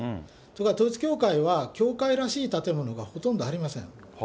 ところが統一教会は教会らしい建物がほとんどありません。